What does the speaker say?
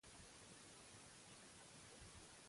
El tracte espinocerebel·losa està implicat en menor mesura.